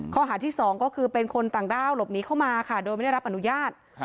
ข้อหาที่๒ก็คือเป็นคนต่างด้าวหลบหนีเข้ามาค่ะโดยไม่ได้รับอนุญาต